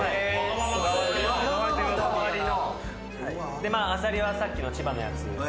でアサリはさっきの千葉のやつ。